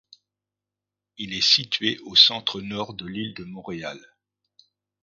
Il est situé au centre-nord de l'île de Montréal.